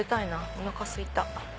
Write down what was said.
おなかすいた。